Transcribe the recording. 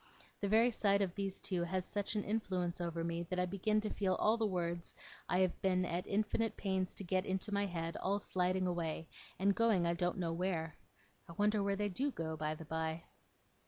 The very sight of these two has such an influence over me, that I begin to feel the words I have been at infinite pains to get into my head, all sliding away, and going I don't know where. I wonder where they do go, by the by?